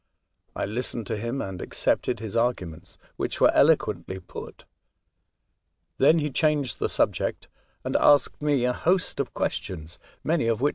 I listened to him, and accepted his arguments, which were eloquently put. Then he changed the subject, and asked me a host of The Escape, 21 questions, many of whicb.